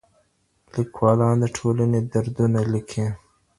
لیکوالان د ټولني دردونه لیکي.